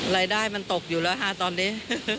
รายได้มันตกอยู่แล้วค่ะตอนนี้